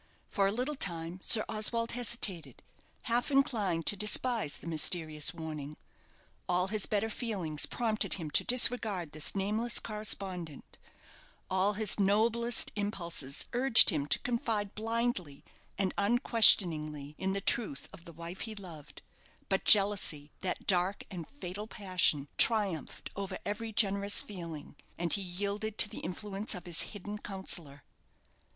For a little time Sir Oswald hesitated, half inclined to despise the mysterious warning. All his better feelings prompted him to disregard this nameless correspondent all his noblest impulses urged him to confide blindly and unquestioningly in the truth of the wife he loved; but jealousy that dark and fatal passion triumphed over every generous feeling, and he yielded to the influence of his hidden counsellor.